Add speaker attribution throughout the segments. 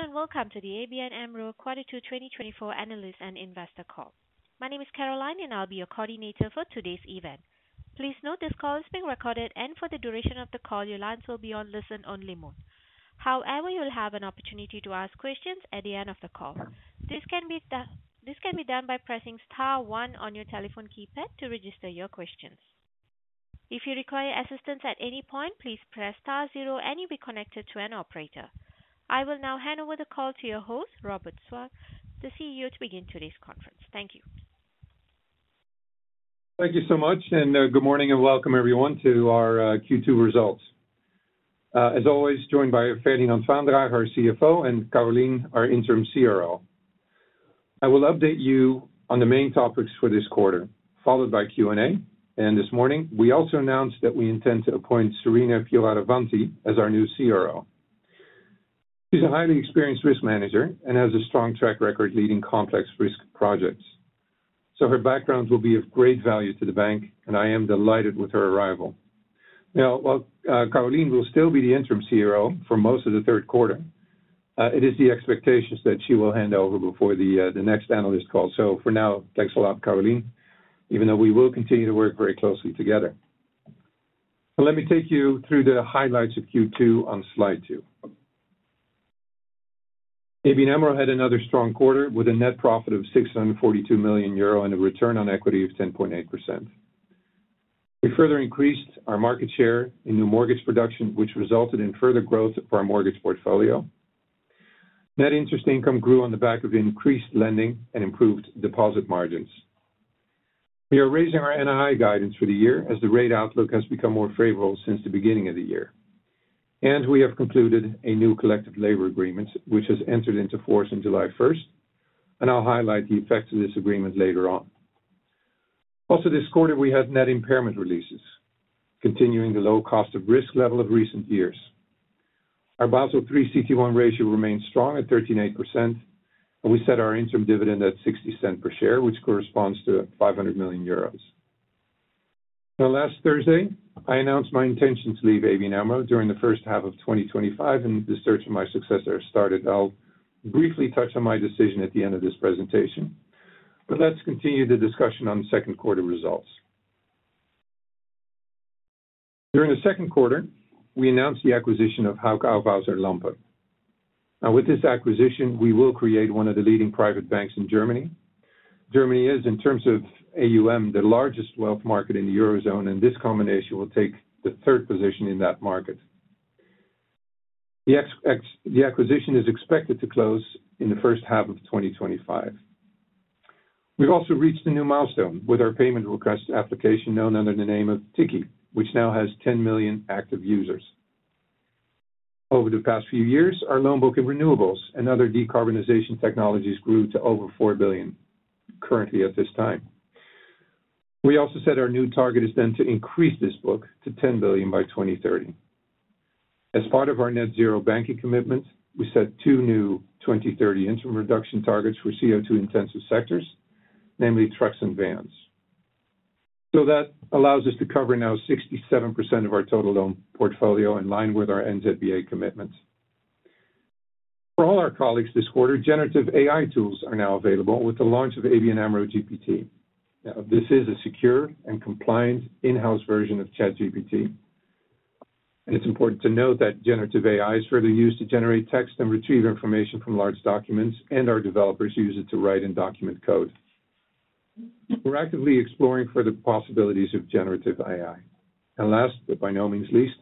Speaker 1: Hello, and welcome to the ABN AMRO Quarter two 2024 Analyst and Investor Call. My name is Caroline, and I'll be your coordinator for today's event. Please note this call is being recorded, and for the duration of the call, your lines will be on listen-only mode. However, you'll have an opportunity to ask questions at the end of the call. This can be done by pressing star one on your telephone keypad to register your questions. If you require assistance at any point, please press star zero, and you'll be connected to an operator. I will now hand over the call to your host, Robert Swaak, the CEO, to begin today's conference. Thank you.
Speaker 2: Thank you so much, and, good morning and welcome everyone to our Q2 results. As always, joined by Ferdinand Vaandrager, our CFO, and Caroline Oosterloo, our interim CRO. I will update you on the main topics for this quarter, followed by Q&A. This morning, we also announced that we intend to appoint Serena Fioravanti as our new CRO. She's a highly experienced risk manager and has a strong track record leading complex risk projects. So her background will be of great value to the bank, and I am delighted with her arrival. Now, while, Caroline Oosterloo will still be the interim CRO for most of the third quarter, it is the expectations that she will hand over before the, the next analyst call. So for now, thanks a lot, Caroline Oosterloo, even though we will continue to work very closely together. Let me take you through the highlights of Q2 on slide two. ABN AMRO had another strong quarter with a net profit of 642 million euro and a return on equity of 10.8%. We further increased our market share in new mortgage production, which resulted in further growth for our mortgage portfolio. Net interest income grew on the back of increased lending and improved deposit margins. We are raising our NII guidance for the year as the rate outlook has become more favorable since the beginning of the year. And we have concluded a new collective labor agreement, which has entered into force in July 1st, and I'll highlight the effects of this agreement later on. Also, this quarter, we had net impairment releases, continuing the low cost of risk level of recent years. Our Basel III CET1 ratio remains strong at 13.8%, and we set our interim dividend at €0.60 per share, which corresponds to 500 million euros. Now, last Thursday, I announced my intention to leave ABN AMRO during the first half of 2025, and the search for my successor has started. I'll briefly touch on my decision at the end of this presentation, but let's continue the discussion on the second quarter results. During the second quarter, we announced the acquisition of Hauck Aufhäuser Lampe. Now, with this acquisition, we will create one of the leading private banks in Germany. Germany is, in terms of AUM, the largest wealth market in the Eurozone, and this combination will take the third position in that market. The acquisition is expected to close in the first half of 2025. We've also reached a new milestone with our payment request application, known under the name of Tikkie, which now has 10 million active users. Over the past few years, our loan book in renewables and other decarbonization technologies grew to over 4 billion, currently at this time. We also set our new target is then to increase this book to 10 billion by 2030. As part of our net zero banking commitment, we set two new 2030 interim reduction targets for CO2-intensive sectors, namely trucks and vans. So that allows us to cover now 67% of our total loan portfolio, in line with our NZBA commitment. For all our colleagues this quarter, generative AI tools are now available with the launch of ABN AMRO GPT. Now, this is a secure and compliant in-house version of ChatGPT. It's important to note that generative AI is further used to generate text and retrieve information from large documents, and our developers use it to write and document code. We're actively exploring further possibilities of generative AI. And last, but by no means least,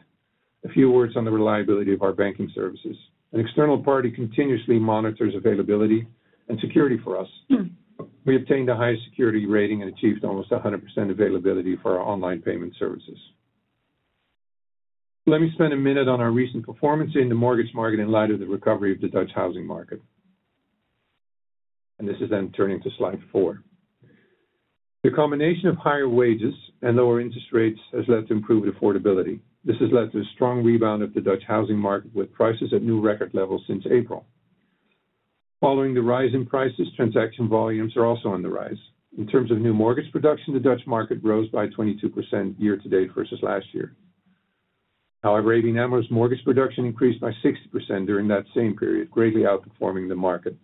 Speaker 2: a few words on the reliability of our banking services. An external party continuously monitors availability and security for us. We obtained the highest security rating and achieved almost 100% availability for our online payment services. Let me spend a minute on our recent performance in the mortgage market in light of the recovery of the Dutch housing market. This is then turning to slide four. The combination of higher wages and lower interest rates has led to improved affordability. This has led to a strong rebound of the Dutch housing market, with prices at new record levels since April. Following the rise in prices, transaction volumes are also on the rise. In terms of new mortgage production, the Dutch market rose by 22% year to date versus last year. However, ABN AMRO's mortgage production increased by 60% during that same period, greatly outperforming the market.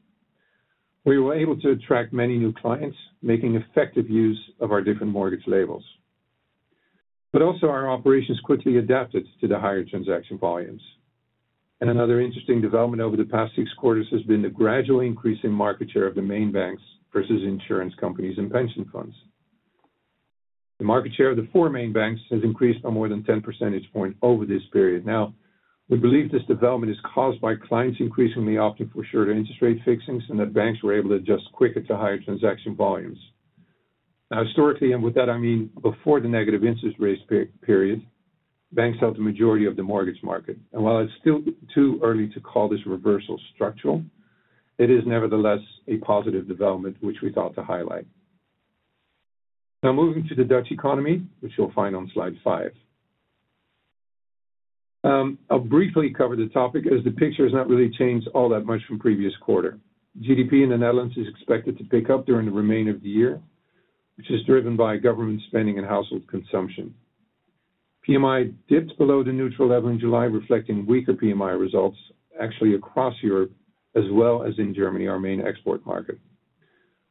Speaker 2: We were able to attract many new clients, making effective use of our different mortgage labels. But also our operations quickly adapted to the higher transaction volumes. And another interesting development over the past six quarters has been the gradual increase in market share of the main banks versus insurance companies and pension funds. The market share of the four main banks has increased by more than 10 percentage points over this period. Now, we believe this development is caused by clients increasingly opting for shorter interest rate fixings and that banks were able to adjust quicker to higher transaction volumes. Now, historically, and with that I mean before the negative interest rate period, banks held the majority of the mortgage market. While it's still too early to call this reversal structural, it is nevertheless a positive development, which we thought to highlight. Now, moving to the Dutch economy, which you'll find on slide five. I'll briefly cover the topic, as the picture has not really changed all that much from previous quarter. GDP in the Netherlands is expected to pick up during the remainder of the year, which is driven by government spending and household consumption. PMI dipped below the neutral level in July, reflecting weaker PMI results actually across Europe, as well as in Germany, our main export market.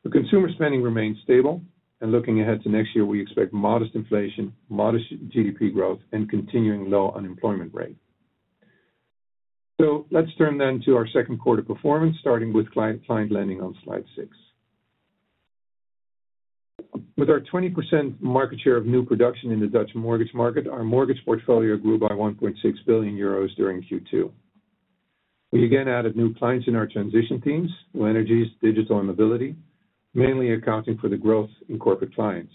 Speaker 2: But consumer spending remains stable, and looking ahead to next year, we expect modest inflation, modest GDP growth, and continuing low unemployment rate. So let's turn then to our second quarter performance, starting with client, client lending on slide six. With our 20% market share of new production in the Dutch mortgage market, our mortgage portfolio grew by 1.6 billion euros during Q2. We again added new clients in our transition teams, new energies, digital and mobility, mainly accounting for the growth in corporate clients.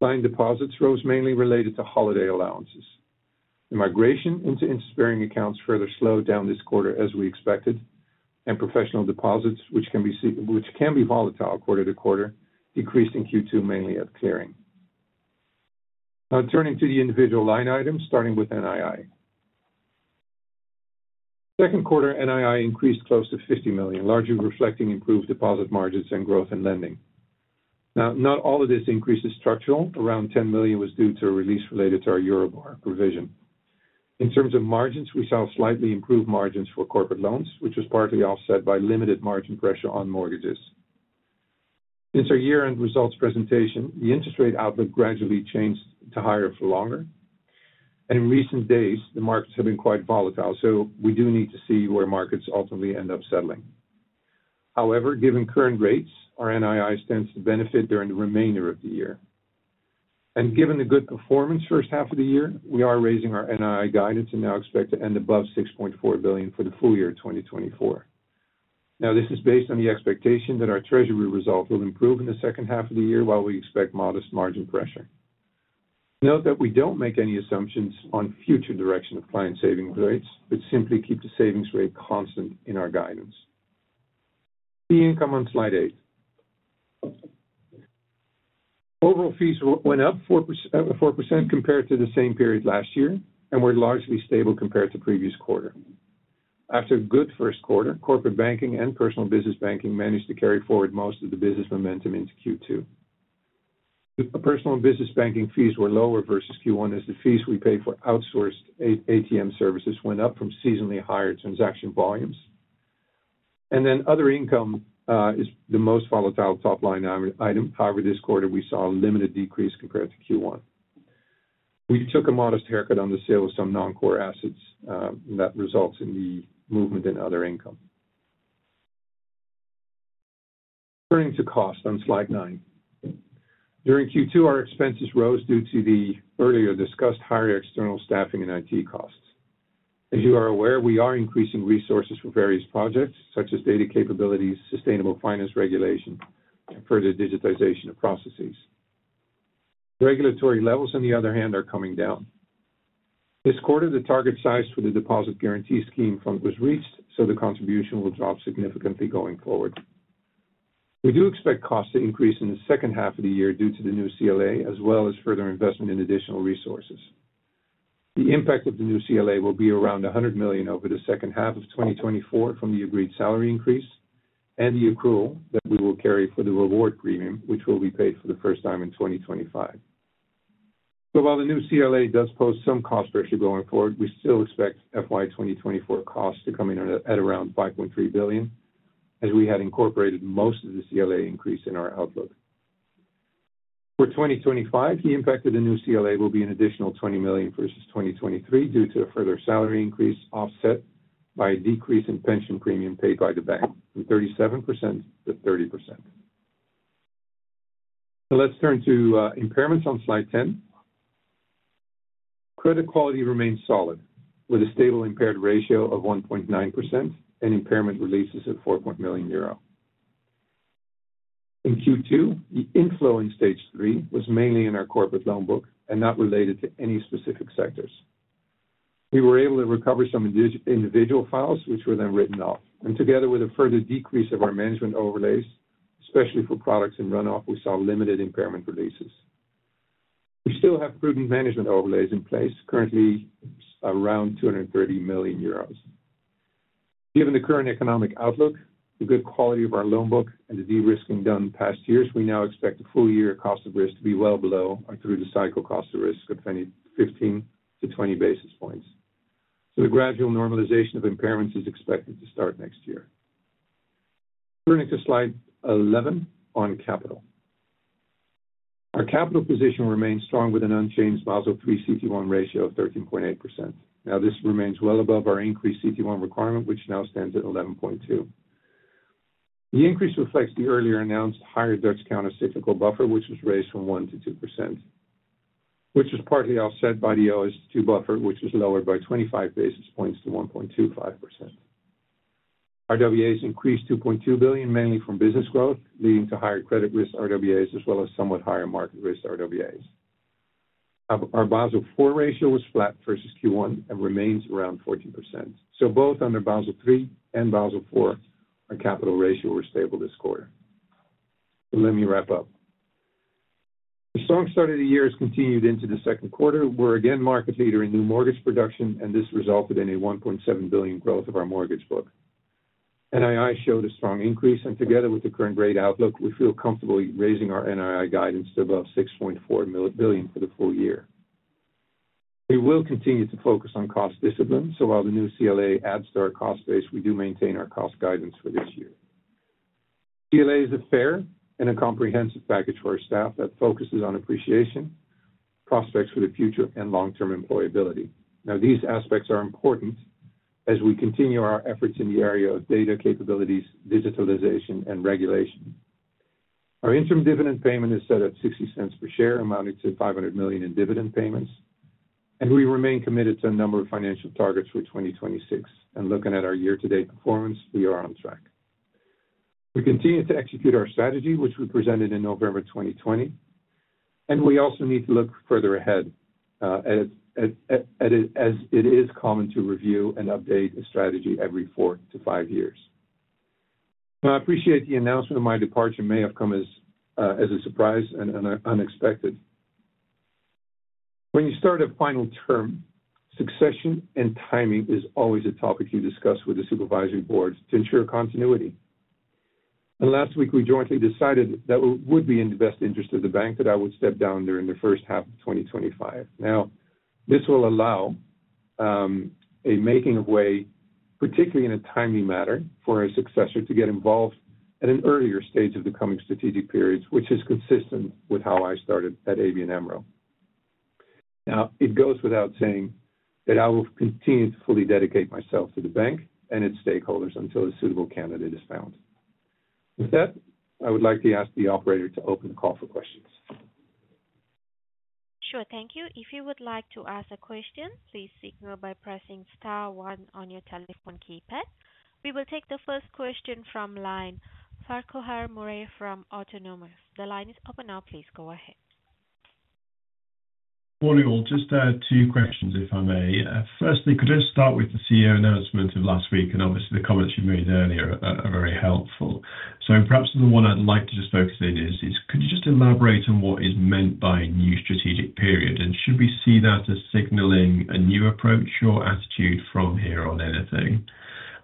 Speaker 2: Client deposits rose mainly related to holiday allowances. The migration into interest-bearing accounts further slowed down this quarter, as we expected, and professional deposits, which can be volatile quarter to quarter, decreased in Q2, mainly at clearing. Now turning to the individual line items, starting with NII. Second quarter NII increased close to 50 million, largely reflecting improved deposit margins and growth in lending. Now, not all of this increase is structural. Around 10 million was due to a release related to our Euribor provision. In terms of margins, we saw slightly improved margins for corporate loans, which was partly offset by limited margin pressure on mortgages. Since our year-end results presentation, the interest rate outlook gradually changed to higher for longer, and in recent days, the markets have been quite volatile, so we do need to see where markets ultimately end up settling. However, given current rates, our NII stands to benefit during the remainder of the year. And given the good performance first half of the year, we are raising our NII guidance and now expect to end above 6.4 billion for the full year 2024. Now, this is based on the expectation that our treasury results will improve in the second half of the year, while we expect modest margin pressure. Note that we don't make any assumptions on future direction of client savings rates, but simply keep the savings rate constant in our guidance. Fee income on slide eight. Overall fees went up 4% compared to the same period last year, and were largely stable compared to previous quarter. After a good first quarter, corporate banking and personal business banking managed to carry forward most of the business momentum into Q2. The personal and business banking fees were lower versus Q1, as the fees we paid for outsourced ATM services went up from seasonally higher transaction volumes. And then other income is the most volatile top-line item. However, this quarter we saw a limited decrease compared to Q1. We took a modest haircut on the sale of some non-core assets, and that results in the movement in other income. Turning to cost on slide nine. During Q2, our expenses rose due to the earlier discussed higher external staffing and IT costs. As you are aware, we are increasing resources for various projects, such as data capabilities, sustainable finance regulation, and further digitization of processes. Regulatory levels, on the other hand, are coming down. This quarter, the target size for the deposit guarantee scheme fund was reached, so the contribution will drop significantly going forward. We do expect costs to increase in the second half of the year due to the new CLA, as well as further investment in additional resources. The impact of the new CLA will be around 100 million over the second half of 2024 from the agreed salary increase and the accrual that we will carry for the reward premium, which will be paid for the first time in 2025. So while the new CLA does pose some cost pressure going forward, we still expect FY 2024 costs to come in at around 5.3 billion, as we had incorporated most of the CLA increase in our outlook. For 2025, the impact of the new CLA will be an additional 20 million versus 2023, due to a further salary increase offset by a decrease in pension premium paid by the bank, from 37%-30%. So let's turn to impairments on slide 10. Credit quality remains solid, with a stable impaired ratio of 1.9% and impairment releases of 4 million euro. In Q2, the inflow in stage three was mainly in our corporate loan book and not related to any specific sectors. We were able to recover some individual files, which were then written off, and together with a further decrease of our management overlays, especially for products in run-off, we saw limited impairment releases. We still have prudent management overlays in place, currently around 230 million euros. Given the current economic outlook, the good quality of our loan book, and the de-risking done in past years, we now expect the full year cost of risk to be well below our through-the-cycle cost of risk of 15-20 basis points. The gradual normalization of impairments is expected to start next year. Turning to slide 11 on capital. Our capital position remains strong, with an unchanged Basel III CET1 ratio of 13.8%. Now, this remains well above our increased CET1 requirement, which now stands at 11.2%. The increase reflects the earlier announced higher Dutch countercyclical buffer, which was raised from 1%-2%, which was partly offset by the O-SII buffer, which was lowered by 25 basis points to 1.25%. Our RWAs increased 2.2 billion, mainly from business growth, leading to higher credit risk RWAs, as well as somewhat higher market risk RWAs. Our Basel IV ratio was flat versus Q1 and remains around 14%. So both under Basel III and Basel IV, our capital ratio were stable this quarter. So let me wrap up. The strong start of the year has continued into the second quarter. We're again market leader in new mortgage production, and this resulted in a 1.7 billion growth of our mortgage book.... NII showed a strong increase, and together with the current rate outlook, we feel comfortable raising our NII guidance to above 6.4 billion for the full year. We will continue to focus on cost discipline, so while the new CLA adds to our cost base, we do maintain our cost guidance for this year. CLA is a fair and a comprehensive package for our staff that focuses on appreciation, prospects for the future, and long-term employability. Now, these aspects are important as we continue our efforts in the area of data capabilities, digitalization, and regulation. Our interim dividend payment is set at 0.60 per share, amounting to 500 million in dividend payments, and we remain committed to a number of financial targets for 2026. Looking at our year-to-date performance, we are on track. We continue to execute our strategy, which we presented in November 2020, and we also need to look further ahead at it, as it is common to review and update a strategy every four to five years. Now, I appreciate the announcement of my departure may have come as a surprise and unexpected. When you start a final term, succession and timing is always a topic you discuss with the supervisory boards to ensure continuity. Last week, we jointly decided that it would be in the best interest of the bank that I would step down during the first half of 2025. Now, this will allow a making way, particularly in a timely manner, for a successor to get involved at an earlier stage of the coming strategic periods, which is consistent with how I started at ABN AMRO. Now, it goes without saying that I will continue to fully dedicate myself to the bank and its stakeholders until a suitable candidate is found. With that, I would like to ask the operator to open the call for questions.
Speaker 1: Sure. Thank you. If you would like to ask a question, please signal by pressing star one on your telephone keypad. We will take the first question from line, Farquhar Murray from Autonomous. The line is open now. Please go ahead.
Speaker 3: Morning, all. Just two questions, if I may. Firstly, could I start with the CEO announcement of last week? And obviously, the comments you made earlier are very helpful. So perhaps the one I'd like to just focus in is, could you just elaborate on what is meant by new strategic period? And should we see that as signaling a new approach or attitude from here on anything?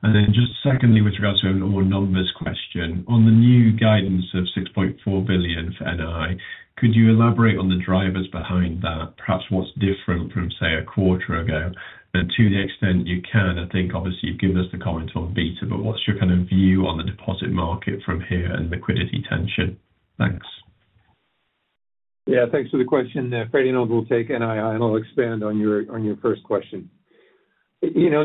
Speaker 3: And then just secondly, with regards to a more anonymous question, on the new guidance of 6.4 billion for NII, could you elaborate on the drivers behind that, perhaps what's different from, say, a quarter ago? And to the extent you can, I think obviously you've given us the comment on beta, but what's your kind of view on the deposit market from here and liquidity tension? Thanks.
Speaker 2: Yeah, thanks for the question. Ferdi and I will take NII, and I'll expand on your, on your first question. You know,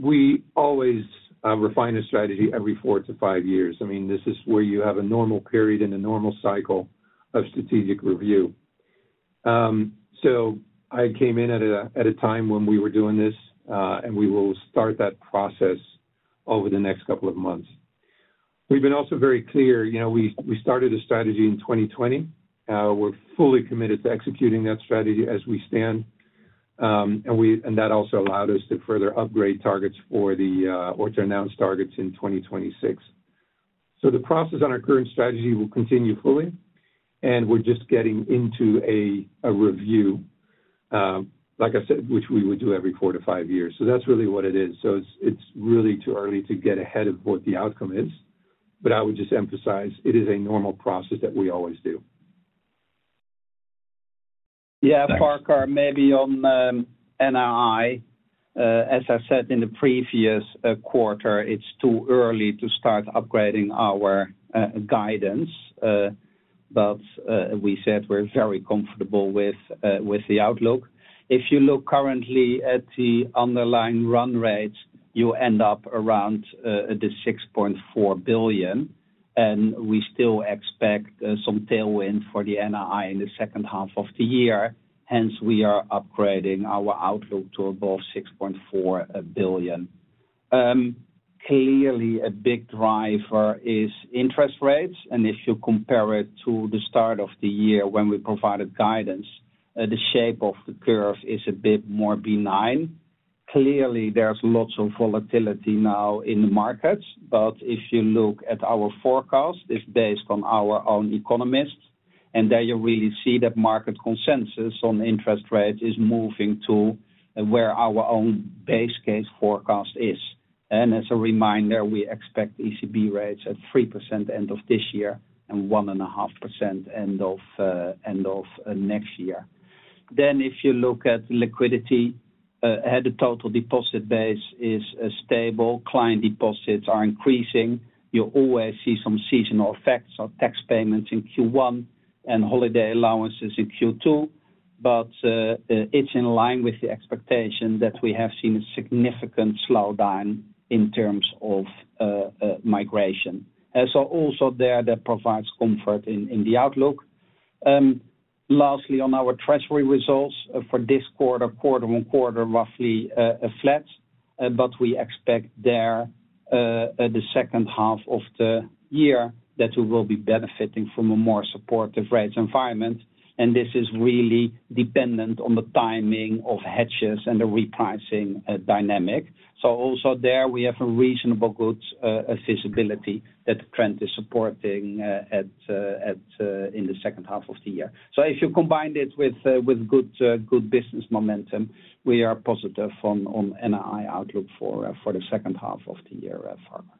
Speaker 2: we always refine a strategy every four to five years. I mean, this is where you have a normal period and a normal cycle of strategic review. So I came in at a, at a time when we were doing this, and we will start that process over the next couple of months. We've been also very clear, you know, we, we started a strategy in 2020. We're fully committed to executing that strategy as we stand. And that also allowed us to further upgrade targets for the, or to announce targets in 2026. So the process on our current strategy will continue fully, and we're just getting into a review, like I said, which we would do every four to five years. So that's really what it is. So it's really too early to get ahead of what the outcome is, but I would just emphasize it is a normal process that we always do.
Speaker 4: Yeah, Farquhar, maybe on NII, as I said in the previous quarter, it's too early to start upgrading our guidance, but we said we're very comfortable with the outlook. If you look currently at the underlying run rates, you end up around the 6.4 billion, and we still expect some tailwind for the NII in the second half of the year. Hence, we are upgrading our outlook to above 6.4 billion. Clearly, a big driver is interest rates, and if you compare it to the start of the year when we provided guidance, the shape of the curve is a bit more benign. Clearly, there's lots of volatility now in the markets, but if you look at our forecast, it's based on our own economists, and there you really see that market consensus on interest rates is moving to where our own base case forecast is. And as a reminder, we expect ECB rates at 3% end of this year and 1.5% end of next year. Then, if you look at liquidity, the total deposit base is stable, client deposits are increasing. You always see some seasonal effects of tax payments in Q1 and holiday allowances in Q2, but it's in line with the expectation that we have seen a significant slowdown in terms of migration. And so also there, that provides comfort in the outlook. Lastly, on our treasury results for this quarter, quarter-on-quarter, roughly flat, but we expect there, the second half of the year, that we will be benefiting from a more supportive rates environment, and this is really dependent on the timing of hedges and the repricing dynamic. So also there, we have a reasonably good visibility that the trend is supporting in the second half of the year. So if you combine it with good business momentum, we are positive on NII outlook for the second half of the year, Farquhar.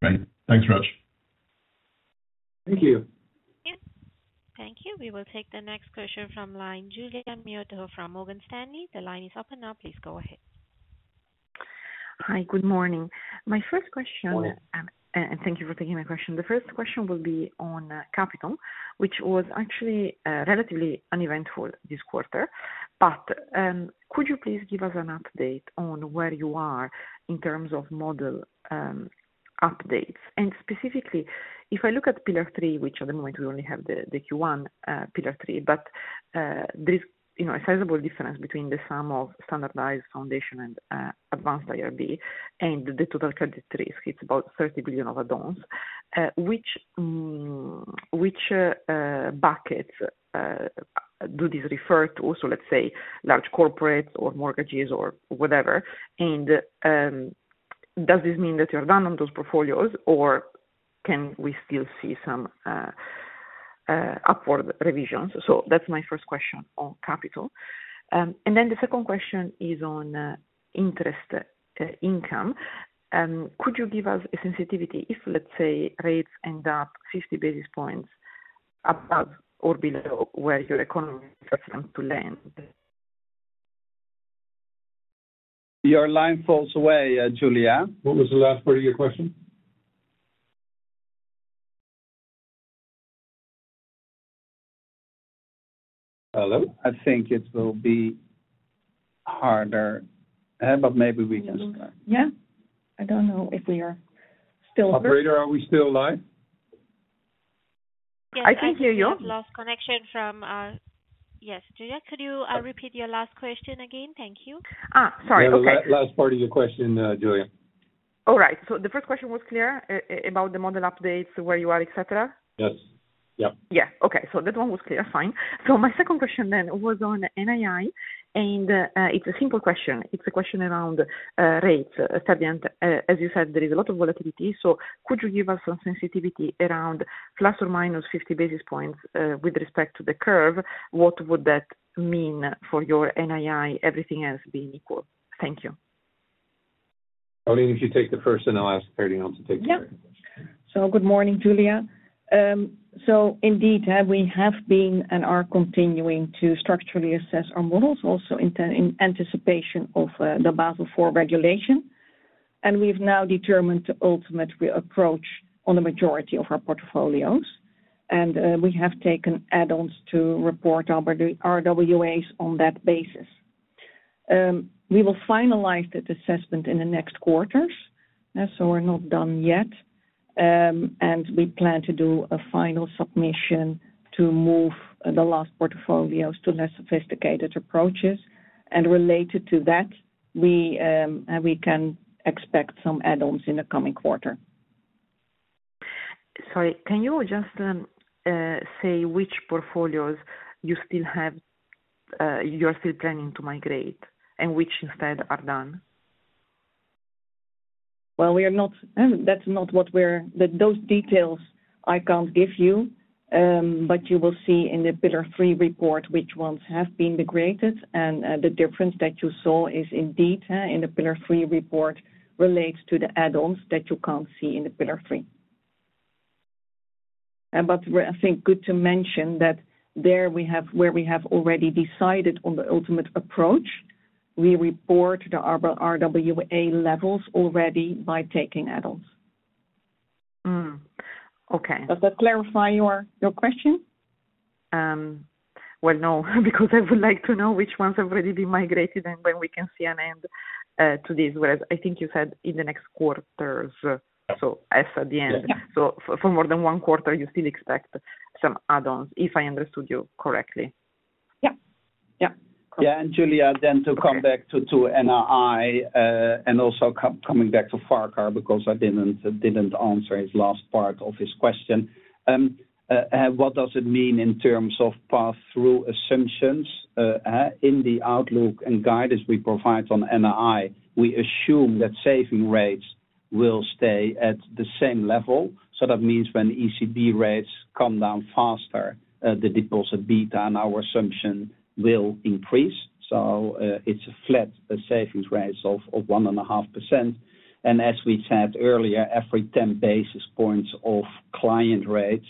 Speaker 3: Great. Thanks very much....
Speaker 4: Thank you.
Speaker 1: Yeah, thank you. We will take the next question from line, Giulia Miotto from Morgan Stanley. The line is open now, please go ahead.
Speaker 5: Hi, good morning. My first question-
Speaker 4: Morning.
Speaker 5: And thank you for taking my question. The first question will be on capital, which was actually relatively uneventful this quarter. But could you please give us an update on where you are in terms of model updates? And specifically, if I look at Pillar Three, which at the moment we only have the Q1 Pillar Three, but there's, you know, a sizable difference between the sum of standardized foundation and advanced IRB and the total credit risk, it's about 30 billion of add-ons. Which buckets do this refer to? So let's say large corporates or mortgages or whatever. And does this mean that you're done on those portfolios, or can we still see some upward revisions? So that's my first question on capital. And then the second question is on interest income. Could you give us a sensitivity if, let's say, rates end up fifty basis points above or below where your economy is going to land?
Speaker 4: Your line falls away, Giulia.
Speaker 2: What was the last part of your question? Hello?
Speaker 4: I think it will be harder, but maybe we can start.
Speaker 5: Yeah. I don't know if we are still-
Speaker 2: Operator, are we still live?
Speaker 5: I think I hear you.
Speaker 1: We've lost connection from... Yes, Giulia, could you repeat your last question again? Thank you.
Speaker 5: Ah, sorry. Okay.
Speaker 2: Yeah, the last part of your question, Giulia.
Speaker 5: All right. So the first question was clear, about the model updates, where you are, et cetera?
Speaker 2: Yes. Yep.
Speaker 5: Yeah, okay. So that one was clear, fine. So my second question then was on NII, and, it's a simple question. It's a question around, rates, as you said, there is a lot of volatility. So could you give us some sensitivity around ±50 basis points, with respect to the curve? What would that mean for your NII, everything else being equal? Thank you.
Speaker 2: Caroline, if you take the first, and I'll ask Ferdinand to take the second.
Speaker 6: Yeah. So good morning, Giulia. So indeed, we have been and are continuing to structurally assess our models, also in anticipation of the Basel IV regulation. And we've now determined the ultimate re-approach on the majority of our portfolios, and we have taken add-ons to report our RW, our RWAs on that basis. We will finalize that assessment in the next quarters, so we're not done yet. And we plan to do a final submission to move the last portfolios to less sophisticated approaches. And related to that, we can expect some add-ons in the coming quarter.
Speaker 5: Sorry, can you just say which portfolios you still have, you're still planning to migrate, and which instead are done?
Speaker 6: Well, we are not. That's not what we're— Those details I can't give you, but you will see in the Pillar III report which ones have been degraded, and the difference that you saw is indeed in the Pillar III report relates to the add-ons that you can't see in the Pillar III. But I think good to mention that there we have, where we have already decided on the ultimate approach, we report the RWA levels already by taking add-ons.
Speaker 5: okay.
Speaker 6: Does that clarify your question?
Speaker 5: Well, no, because I would like to know which ones have already been migrated and when we can see an end to this. Whereas I think you said in the next quarters, so S at the end.
Speaker 6: Yeah.
Speaker 5: So for more than one quarter, you still expect some add-ons, if I understood you correctly.
Speaker 6: Yeah. Yeah.
Speaker 4: Yeah, and Julia, then to come back to NII, and also coming back to Farquhar, because I didn't answer his last part of his question. What does it mean in terms of pass-through assumptions in the outlook and guidance we provide on NII? We assume that saving rates will stay at the same level. So that means when ECB rates come down faster, the deposit beta and our assumption will increase. So, it's a flat savings rates of 1.5%. And as we said earlier, every 10 basis points of client rates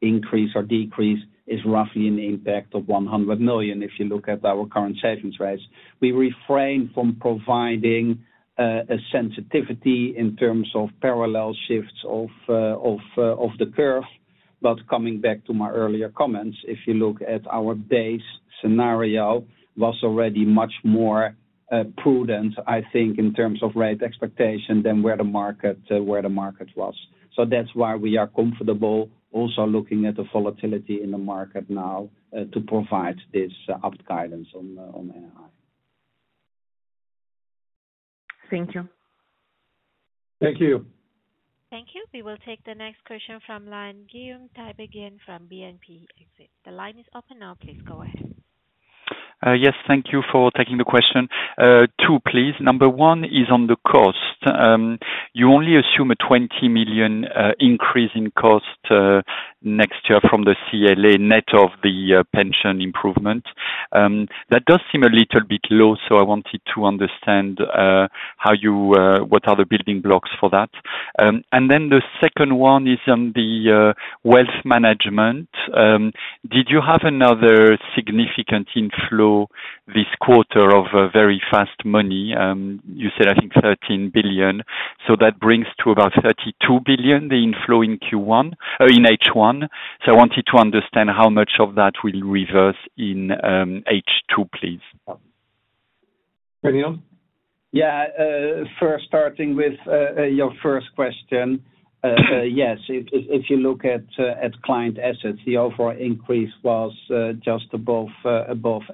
Speaker 4: increase or decrease is roughly an impact of 100 million, if you look at our current savings rates. We refrain from providing a sensitivity in terms of parallel shifts of the curve. But coming back to my earlier comments, if you look at our base scenario was already much more prudent, I think, in terms of rate expectation than where the market was. So that's why we are comfortable also looking at the volatility in the market now to provide this outlook guidance on NII.
Speaker 5: Thank you.
Speaker 2: Thank you.
Speaker 1: Thank you. We will take the next question from line, Guillaume Tiberghien from BNP Paribas Exane. The line is open now, please go ahead.
Speaker 7: Yes, thank you for taking the question. Two, please. Number oneis on the cost. You only assume a 20 million increase in cost next year from the CLA net of the pension improvement. That does seem a little bit low, so I wanted to understand how you what are the building blocks for that? And then the second one is on the wealth management. Did you have another significant inflow this quarter of very fast money? You said, I think, 13 billion, so that brings to about 32 billion the inflow in Q1 in H1. So I wanted to understand how much of that will reverse in H2, please.
Speaker 2: Ferdinand?
Speaker 4: Yeah. First, starting with your first question. Yes, if you look at client assets, the overall increase was just above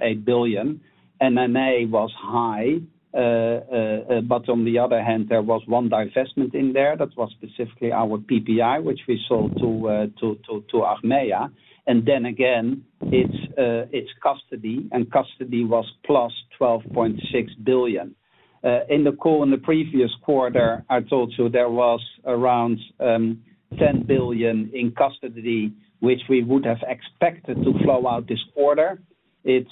Speaker 4: 8 billion. NNA was high, but on the other hand, there was one divestment in there that was specifically our PPI, which we sold to Achmea. And then again, it's custody, and custody was +12.6 billion. In the call in the previous quarter, I told you there was around 10 billion in custody, which we would have expected to flow out this quarter. It's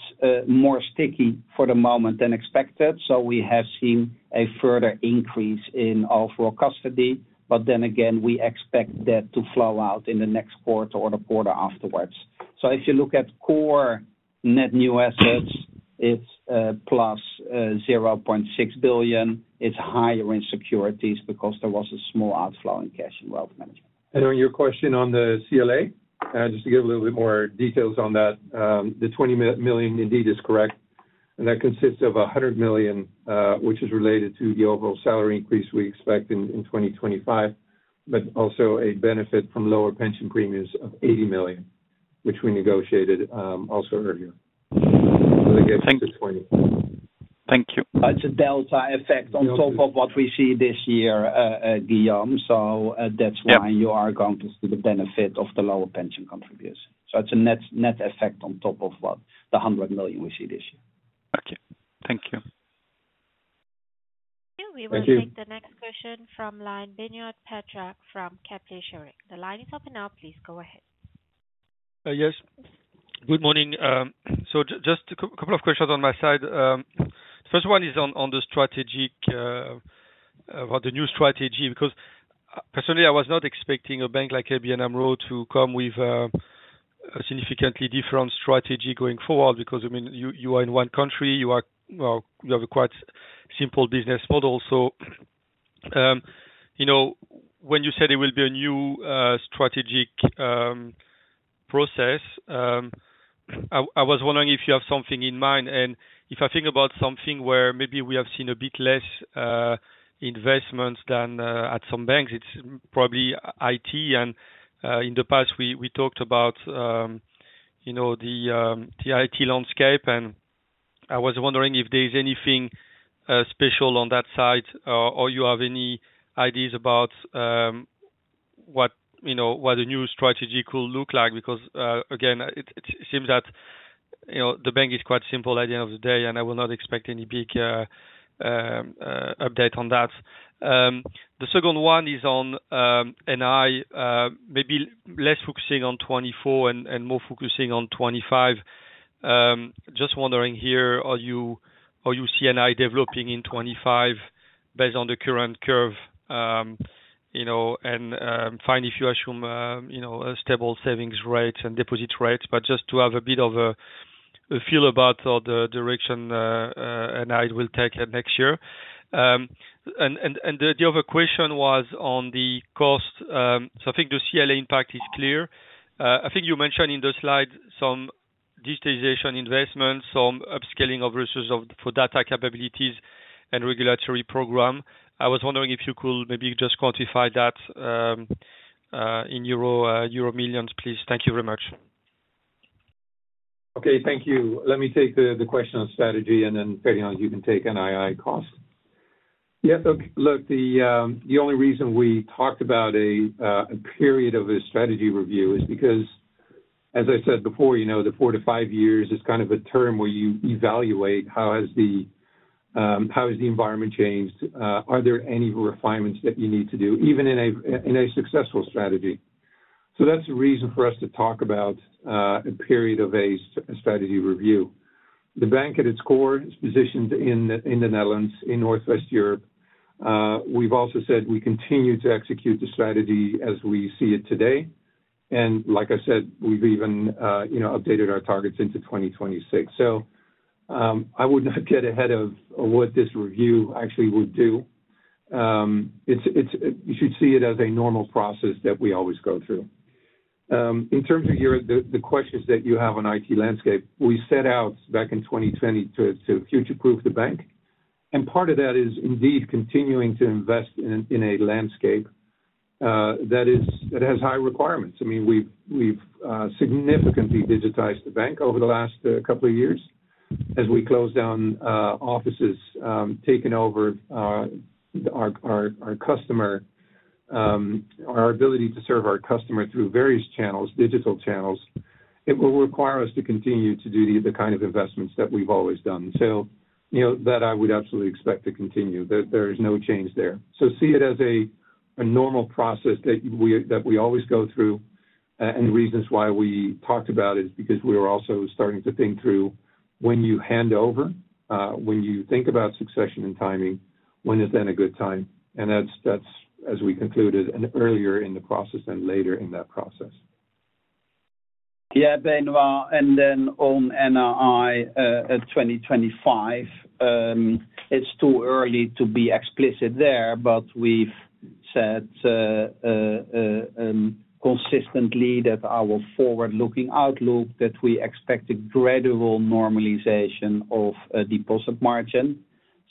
Speaker 4: more sticky for the moment than expected, so we have seen a further increase in overall custody. But then again, we expect that to flow out in the next quarter or the quarter afterwards. So if you look at core net new assets, it's +0.6 billion. It's higher in securities because there was a small outflow in cash and wealth management.
Speaker 2: On your question on the CLA, just to give a little bit more details on that. The 20 million indeed is correct, and that consists of 100 million, which is related to the overall salary increase we expect in 2025, but also a benefit from lower pension premiums of 80 million, which we negotiated, also earlier.
Speaker 7: Thank you. Thank you.
Speaker 4: That's a delta effect on top of what we see this year, Guillaume, so,
Speaker 7: Yep...
Speaker 4: that's why you are going to see the benefit of the lower pension contribution. So it's a net, net effect on top of what, the 100 million we see this year.
Speaker 7: Okay. Thank you.
Speaker 1: We will-
Speaker 2: Thank you.
Speaker 1: Take the next question from line, Benoît Pétrarque from Kepler Cheuvreux. The line is open now. Please go ahead.
Speaker 8: Yes. Good morning. So just a couple of questions on my side. First one is on the strategic about the new strategy, because personally, I was not expecting a bank like ABN AMRO to come with a significantly different strategy going forward. Because, I mean, you, you are in one country, you are, well, you have a quite simple business model. So, you know, when you said it will be a new strategic process, I was wondering if you have something in mind, and if I think about something where maybe we have seen a bit less investments than at some banks, it's probably IT. In the past, we talked about you know, the IT landscape, and I was wondering if there is anything special on that side or you have any ideas about what, you know, what the new strategy could look like? Because again, it seems that you know, the bank is quite simple at the end of the day, and I will not expect any big update on that. The second one is on NII, maybe less focusing on 2024 and more focusing on 2025. Just wondering here, are you how you see NII developing in 2025 based on the current curve? You know, and you know a stable savings rate and deposit rates, but just to have a bit of a feel about the direction NII will take next year. And the other question was on the cost. So I think the CLA impact is clear. I think you mentioned in the slide some digitization investments, some upscaling of resources for data capabilities and regulatory program. I was wondering if you could maybe just quantify that in euro millions, please. Thank you very much.
Speaker 2: Okay, thank you. Let me take the question on strategy, and then Ferdi, you can take NII cost. Yeah, look, the only reason we talked about a period of a strategy review is because, as I said before, you know, the four to five years is kind of a term where you evaluate how has the environment changed? Are there any refinements that you need to do, even in a successful strategy? So that's the reason for us to talk about a period of a strategy review. The bank, at its core, is positioned in the Netherlands, in Northwest Europe. We've also said we continue to execute the strategy as we see it today, and like I said, we've even, you know, updated our targets into 2026. So, I would not get ahead of what this review actually would do. It's, you should see it as a normal process that we always go through. In terms of the questions that you have on IT landscape, we set out back in 2020 to future-proof the bank, and part of that is indeed continuing to invest in a landscape that has high requirements. I mean, we've significantly digitized the bank over the last couple of years as we close down offices, taken over our ability to serve our customer through various channels, digital channels. It will require us to continue to do the kind of investments that we've always done. So, you know, that I would absolutely expect to continue. There, there is no change there. So see it as a normal process that we, that we always go through. And the reasons why we talked about it is because we were also starting to think through when you hand over, when you think about succession and timing, when is then a good time? And that's, that's as we concluded, and earlier in the process and later in that process.
Speaker 4: Yeah, Benoit, and then on NII, at 2025, it's too early to be explicit there, but we've said consistently that our forward-looking outlook, that we expect a gradual normalization of deposit margin.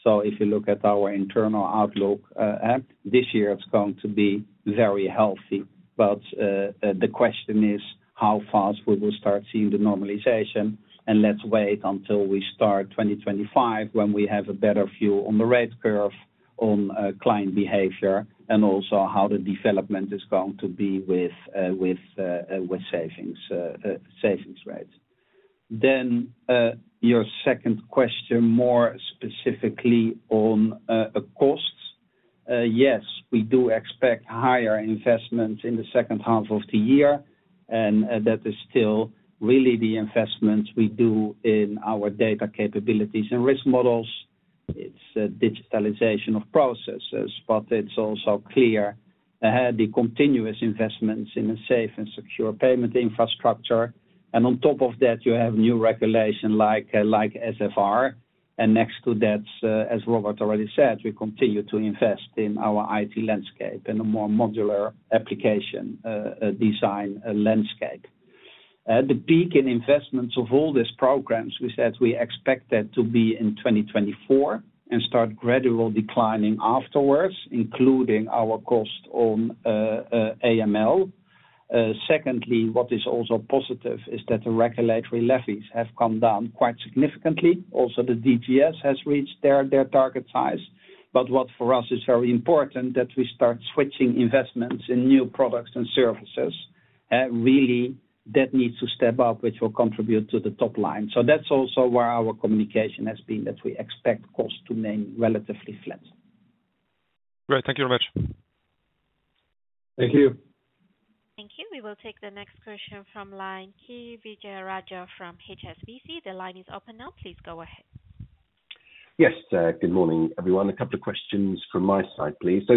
Speaker 4: So if you look at our internal outlook, this year it's going to be very healthy. But the question is, how fast will we start seeing the normalization, and let's wait until we start 2025, when we have a better view on the rate curve, on client behavior, and also how the development is going to be with savings rates. Then your second question, more specifically on costs. Yes, we do expect higher investments in the second half of the year, and that is still really the investments we do in our data capabilities and risk models. It's digitalization of processes, but it's also clear, the continuous investments in a safe and secure payment infrastructure. And on top of that, you have new regulation like, like SFR. And next to that, as Robert already said, we continue to invest in our IT landscape, in a more modular application, design, landscape. The peak in investments of all these programs, we said we expect that to be in 2024, and start gradual declining afterwards, including our cost on, AML. Secondly, what is also positive is that the regulatory levies have come down quite significantly. Also, the DGS has reached their target size. But what for us is very important, that we start switching investments in new products and services. Really, that needs to step up, which will contribute to the top line. So that's also where our communication has been, that we expect costs to remain relatively flat.
Speaker 8: Great. Thank you very much.
Speaker 2: Thank you.
Speaker 1: Thank you. We will take the next question from line, Kiri Vijayarajah from HSBC. The line is open now, please go ahead.
Speaker 9: Yes, good morning, everyone. A couple of questions from my side, please. So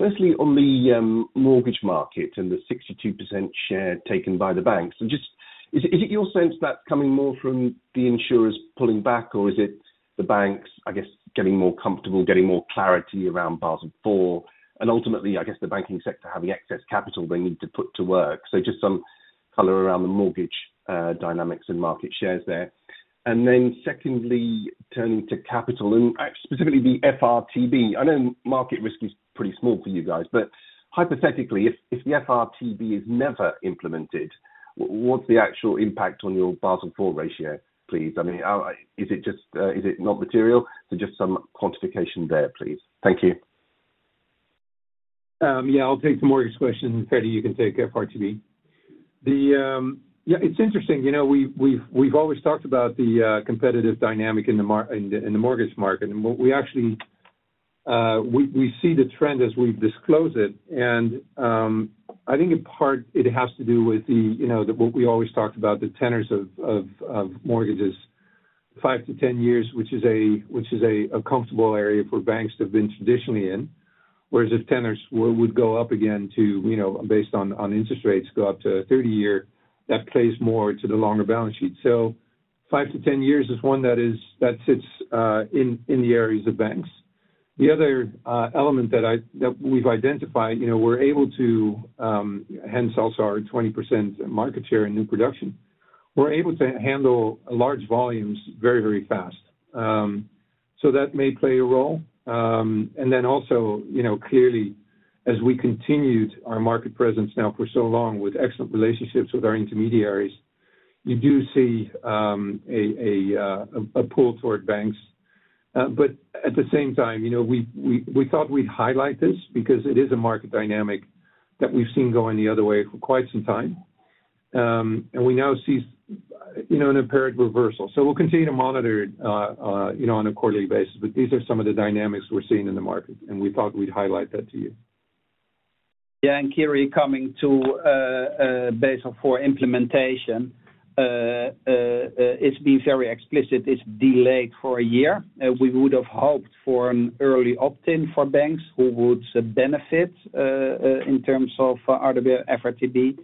Speaker 9: firstly, on the mortgage market and the 62% share taken by the banks, and just... Is, is it your sense that's coming more from the insurers pulling back, or is it the banks, I guess, getting more comfortable, getting more clarity around Basel IV? And ultimately, I guess, the banking sector having excess capital they need to put to work. So just some color around the mortgage dynamics and market shares there. And then secondly, turning to capital and specifically the FRTB. I know market risk is pretty small for you guys, but hypothetically, if, if the FRTB is never implemented, w-what's the actual impact on your Basel IV ratio, please? I mean, is it just, is it not material? So just some quantification there, please. Thank you.
Speaker 2: Yeah, I'll take the mortgage question, Patty, you can take FRTB. Yeah, it's interesting, you know, we've, we've, we've always talked about the competitive dynamic in the mortgage market. And what we actually, we see the trend as we disclose it, and I think in part it has to do with the, you know, the what we always talked about, the tenors of mortgages, five to 10 years, which is a comfortable area for banks to have been traditionally in. Whereas if tenors would go up again to, you know, based on interest rates, go up to a 30-year, that plays more to the longer balance sheet. So five to 10 years is one that is, that sits in the areas of banks. The other element that we've identified, you know, we're able to, hence also our 20% market share in new production, we're able to handle large volumes very, very fast. So that may play a role. And then also, you know, clearly, as we continued our market presence now for so long with excellent relationships with our intermediaries, you do see a pull toward banks. But at the same time, you know, we thought we'd highlight this because it is a market dynamic that we've seen going the other way for quite some time. And we now see, you know, an apparent reversal. We'll continue to monitor, you know, on a quarterly basis, but these are some of the dynamics we're seeing in the market, and we thought we'd highlight that to you.
Speaker 4: Yeah, and Kiri, coming to Basel IV implementation, it's been very explicit, it's delayed for a year. We would have hoped for an early opt-in for banks who would benefit in terms of RWA, FRTB.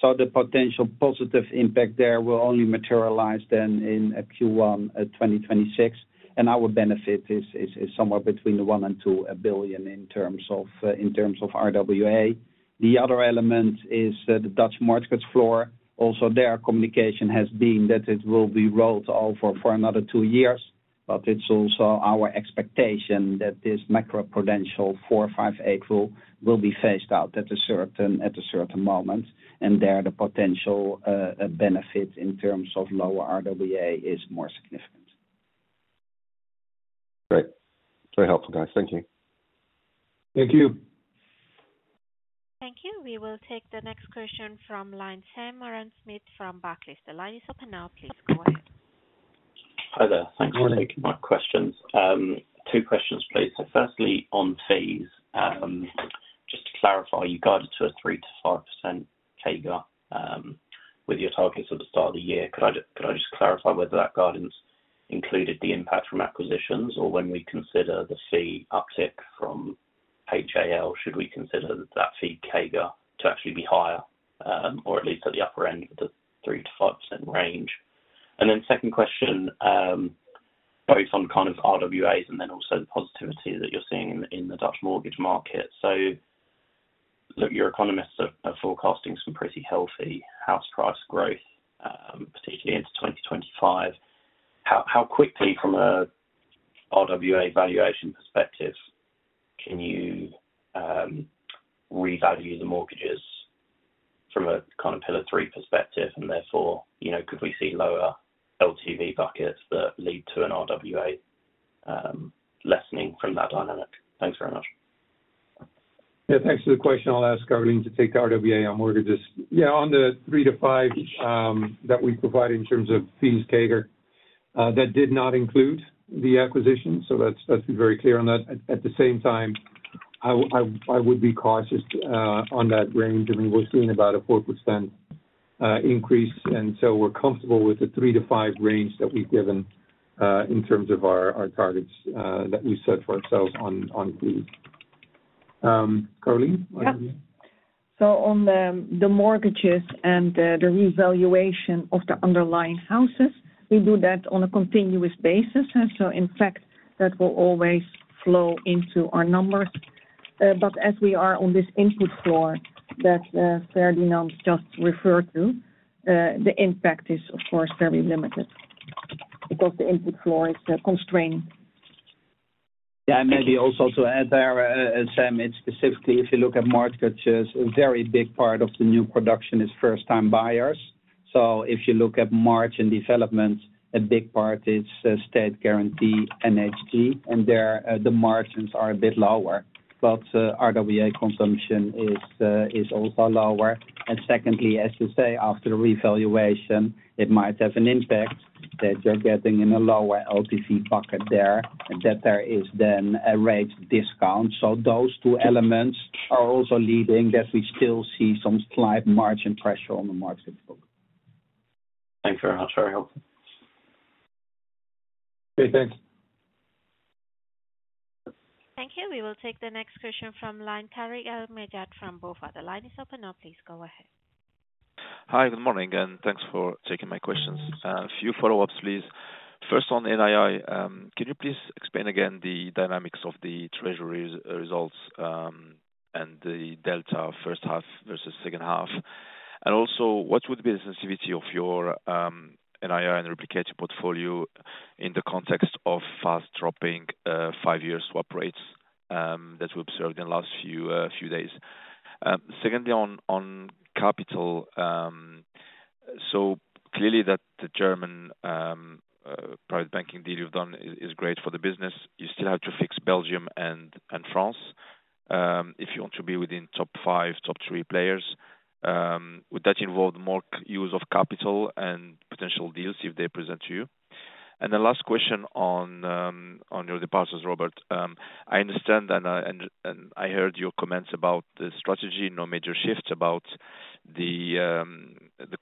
Speaker 4: So the potential positive impact there will only materialize then in Q1 2026, and our benefit is, is, is somewhere between 1 billion and 2 billion in terms of RWA. The other element is the Dutch mortgage floor. Also, their communication has been that it will be rolled over for another two years, but it's also our expectation that this macroprudential four, five, eight rule will be phased out at a certain, at a certain moment, and there, the potential benefit in terms of lower RWA is more significant.
Speaker 9: Great. Very helpful, guys. Thank you.
Speaker 2: Thank you.
Speaker 1: Thank you. We will take the next question from line, Sam Moran-Smyth from Barclays. The line is open now, please go ahead....
Speaker 10: Hi there. Thanks for taking my questions. Two questions, please. So firstly, on fees, just to clarify, you guided to a 3%-5% CAGR, with your targets at the start of the year. Could I just clarify whether that guidance included the impact from acquisitions, or when we consider the fee uptick from HAL, should we consider that fee CAGR to actually be higher, or at least at the upper end of the 3%-5% range? And then second question, both on kind of RWAs and then also the positivity that you're seeing in the Dutch mortgage market. So look, your economists are forecasting some pretty healthy house price growth, particularly into 2025. How quickly, from a RWA valuation perspective, can you revalue the mortgages from a kind of pillar three perspective? And therefore, you know, could we see lower LTV buckets that lead to an RWA lessening from that dynamic? Thanks very much.
Speaker 2: Yeah, thanks for the question. I'll ask Caroline to take the RWA on mortgages. Yeah, on the 3%-5% that we provide in terms of fees CAGR, that did not include the acquisition, so let's, let's be very clear on that. At the same time, I would be cautious on that range. I mean, we're seeing about a 4% increase, and so we're comfortable with the 3%-5% range that we've given in terms of our targets that we set for ourselves on fees. Caroline?
Speaker 6: Yeah. So on the mortgages and the revaluation of the underlying houses, we do that on a continuous basis. And so in fact, that will always flow into our numbers. But as we are on this input floor that Ferdinand just referred to, the impact is of course very limited because the input floor is a constraint.
Speaker 4: Yeah, maybe also to add there, Sam, it's specifically, if you look at mortgages, a very big part of the new production is first time buyers. So if you look at margin developments, a big part is state guarantee, NHG, and there the margins are a bit lower. But RWA consumption is also lower. And secondly, as you say, after revaluation, it might have an impact that you're getting in a lower LTV bucket there, and that there is then a rate discount. So those two elements are also leading that we still see some slight margin pressure on the margin book.
Speaker 10: Thanks very much. Very helpful.
Speaker 2: Okay, thanks.
Speaker 1: Thank you. We will take the next question from line, Tarik El Mejjad, from BofA. The line is open now, please go ahead.
Speaker 11: Hi, good morning, and thanks for taking my questions. A few follow-ups, please. First, on NII, can you please explain again the dynamics of the treasury results, and the delta first half versus second half? And also, what would be the sensitivity of your NIR and replicated portfolio in the context of fast dropping five years swap rates that we observed in the last few days. Secondly, on capital, so clearly that the German private banking deal you've done is great for the business. You still have to fix Belgium and France if you want to be within top five, top three players. Would that involve more use of capital and potential deals if they present to you? And the last question on your departures, Robert. I understand, and I heard your comments about the strategy, no major shifts about the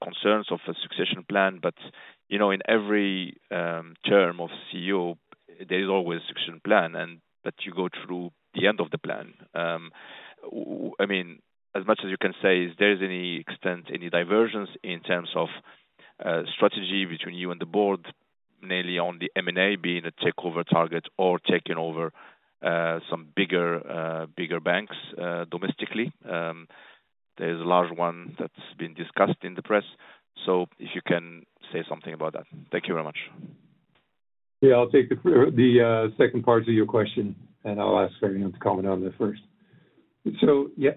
Speaker 11: concerns of a succession plan. But, you know, in every term of CEO, there is always a succession plan, and that you go through the end of the plan. I mean, as much as you can say, is there any extent, any diversions in terms of strategy between you and the board, mainly on the M&A, being a takeover target or taking over some bigger banks domestically? There's a large one that's been discussed in the press. So if you can say something about that. Thank you very much.
Speaker 2: Yeah, I'll take the second part of your question, and I'll ask Ferdinand to comment on the first. So yeah,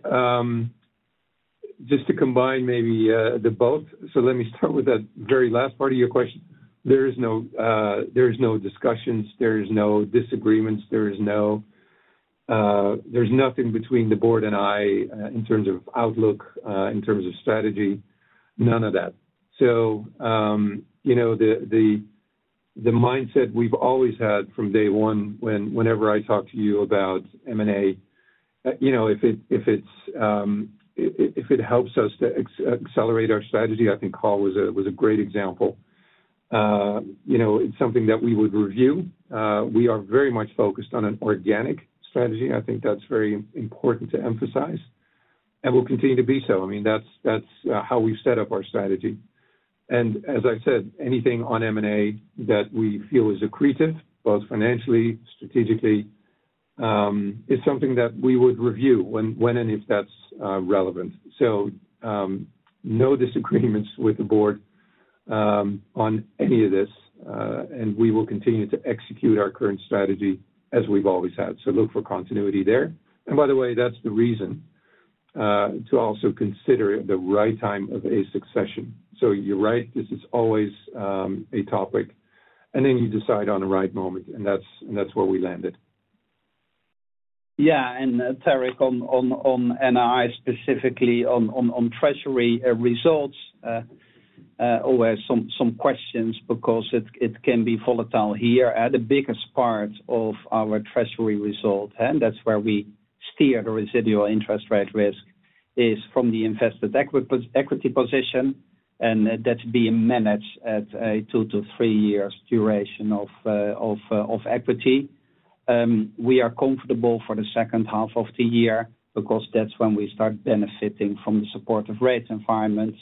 Speaker 2: just to combine maybe the both, so let me start with that very last part of your question. There is no discussions, there is no disagreements, there is no, there's nothing between the board and I, in terms of outlook, in terms of strategy, none of that. So, you know, the mindset we've always had from day one, whenever I talk to you about M&A, you know, if it helps us to accelerate our strategy, I think HAL was a great example. You know, it's something that we would review. We are very much focused on an organic strategy. I think that's very important to emphasize, and will continue to be so. I mean, that's how we've set up our strategy. And as I said, anything on M&A that we feel is accretive, both financially, strategically, is something that we would review when and if that's relevant. So, no disagreements with the board, on any of this, and we will continue to execute our current strategy as we've always had. So look for continuity there. And by the way, that's the reason to also consider the right time of a succession. So you're right, this is always a topic, and then you decide on the right moment, and that's where we landed. ...
Speaker 4: Yeah, and, Tarik, on NII, specifically on treasury results, always some questions because it can be volatile here. The biggest part of our treasury result, and that's where we steer the residual interest rate risk, is from the invested equity position, and that's being managed at a two to three years duration of equity. We are comfortable for the second half of the year because that's when we start benefiting from the supportive rate environment.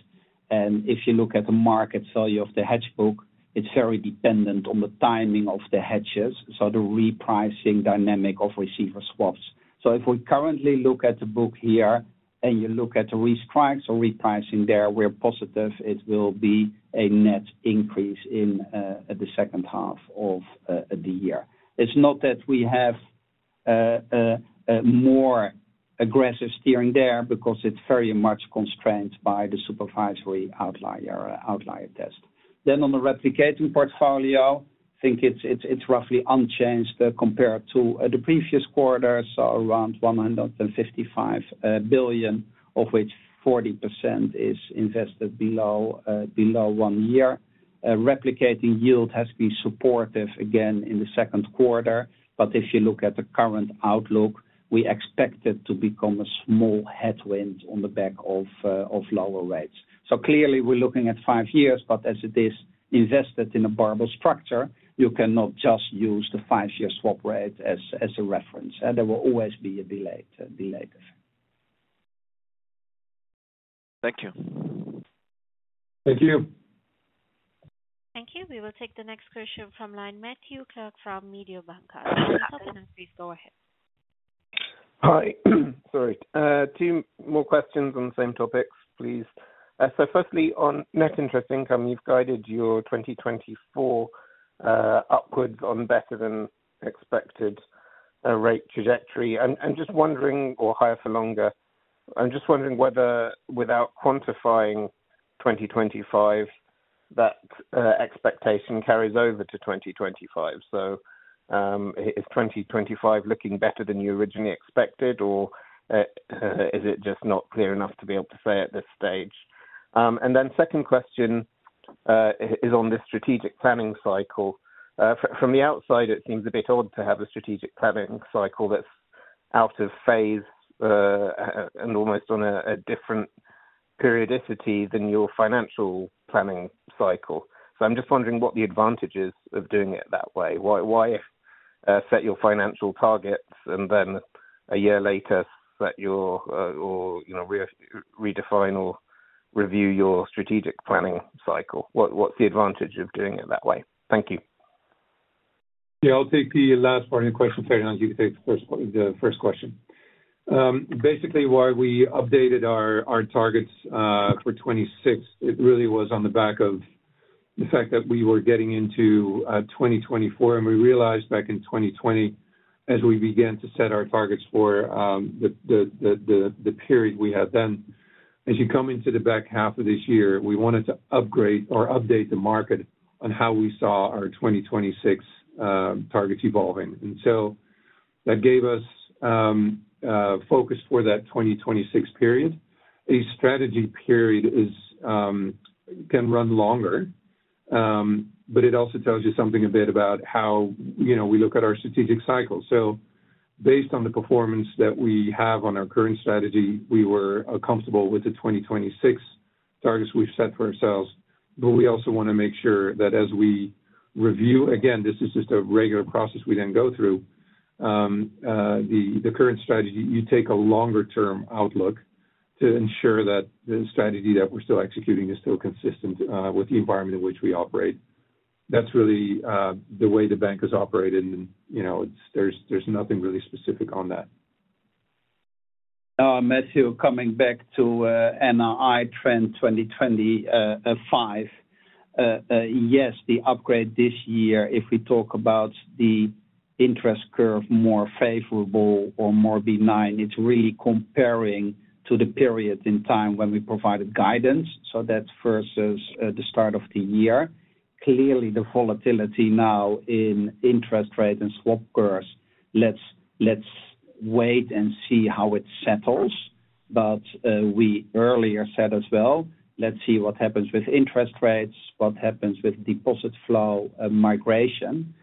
Speaker 4: And if you look at the market value of the hedge book, it's very dependent on the timing of the hedges, so the repricing dynamic of receiver swaps. So if we currently look at the book here, and you look at the risk price or repricing there, we're positive it will be a net increase in at the second half of the year. It's not that we have a more aggressive steering there because it's very much constrained by the supervisory outlier test. Then on the replicating portfolio, I think it's roughly unchanged compared to the previous quarter, so around 155 billion, of which 40% is invested below one year. Replicating yield has been supportive again in the second quarter, but if you look at the current outlook, we expect it to become a small headwind on the back of lower rates. So clearly, we're looking at five years, but as it is invested in a barbell structure, you cannot just use the five-year swap rate as a reference, and there will always be a delay.
Speaker 11: Thank you.
Speaker 2: Thank you.
Speaker 1: Thank you. We will take the next question from line, Matthew Clark from Mediobanca. The line is open. Please go ahead.
Speaker 12: Hi. Sorry, two more questions on the same topics, please. So firstly, on net interest income, you've guided your 2024 upwards on better than expected rate trajectory. I'm just wondering, or higher for longer. I'm just wondering whether without quantifying 2025, that expectation carries over to 2025. So, is 2025 looking better than you originally expected, or is it just not clear enough to be able to say at this stage? And then second question, is on the strategic planning cycle. From the outside, it seems a bit odd to have a strategic planning cycle that's out of phase, and almost on a different periodicity than your financial planning cycle. So I'm just wondering what the advantage is of doing it that way. Why set your financial targets and then a year later set your, or, you know, redefine or review your strategic planning cycle? What's the advantage of doing it that way? Thank you.
Speaker 2: Yeah, I'll take the last part of your question, Tarik, and you can take the first one, the first question. Basically, why we updated our, our targets, for 2026, it really was on the back of the fact that we were getting into, 2024, and we realized back in 2020, as we began to set our targets for, the period we had then. As you come into the back half of this year, we wanted to upgrade or update the market on how we saw our 2026, targets evolving. And so that gave us, focus for that 2026 period. A strategy period is, can run longer, but it also tells you something a bit about how, you know, we look at our strategic cycle. So based on the performance that we have on our current strategy, we were comfortable with the 2026 targets we've set for ourselves, but we also wanna make sure that as we review... Again, this is just a regular process we then go through, the current strategy, you take a longer term outlook to ensure that the strategy that we're still executing is still consistent with the environment in which we operate. That's really the way the bank has operated and, you know, it's, there's nothing really specific on that.
Speaker 4: Matthew, coming back to NII trend 2025. Yes, the upgrade this year, if we talk about the interest curve more favorable or more benign, it's really comparing to the period in time when we provided guidance, so that's versus the start of the year. Clearly, the volatility now in interest rate and swap curves, let's wait and see how it settles. But we earlier said as well, let's see what happens with interest rates, what happens with deposit flow, migration.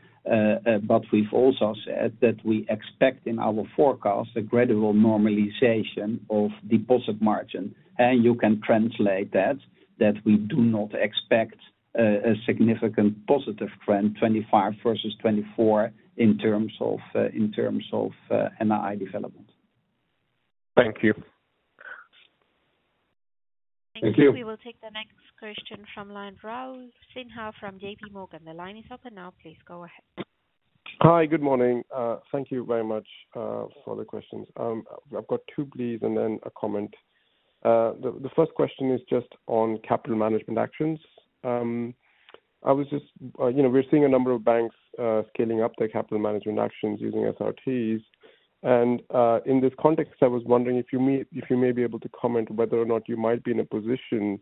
Speaker 4: But we've also said that we expect in our forecast a gradual normalization of deposit margin, and you can translate that we do not expect a significant positive trend 2025 versus 2024 in terms of NII development.
Speaker 12: Thank you.
Speaker 2: Thank you.
Speaker 1: Thank you. We will take the next question from line, Raul Sinha from J.P. Morgan. The line is open now. Please go ahead.
Speaker 13: Hi, good morning. Thank you very much for the questions. I've got two, please, and then a comment. The first question is just on capital management actions. I was just, you know, we're seeing a number of banks scaling up their capital management actions using SRTs. And in this context, I was wondering if you may be able to comment whether or not you might be in a position